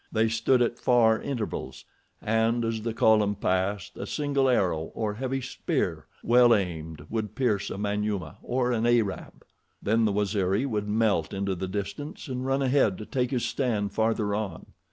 They stood at far intervals, and, as the column passed, a single arrow or a heavy spear, well aimed, would pierce a Manyuema or an Arab. Then the Waziri would melt into the distance and run ahead to take his stand farther on.